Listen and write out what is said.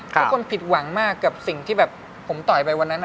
ทุกคนผิดหวังมากกับสิ่งที่แบบผมต่อยไปวันนั้น